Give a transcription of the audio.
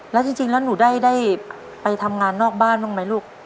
แล้วจริงแล้วหนูได้ไปทำงานนอกบ้านบ้างไหมลูก